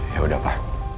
ya udah pa